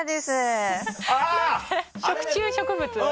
食虫植物？